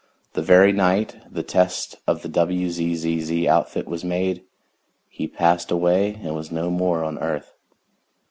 The very night the test of the WZZZ outfit was made he passed away and was no more on earth.